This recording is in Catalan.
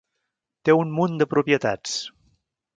Té un munt de propietats.